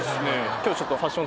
今日ちょっと。